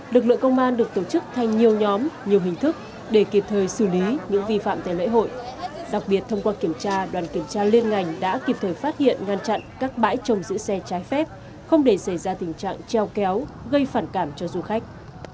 lực lượng công an được tổ chức thành nhiều nhóm nhiều hình thức để kịp thời xử lý những vi phạm tại lễ hội đặc biệt thông qua kiểm tra đoàn kiểm tra liên ngành đã kịp thời phát hiện ngăn chặn các bãi trồng giữ xe trái phép không để xảy ra tình trạng treo kéo gây phản cảm cho du khách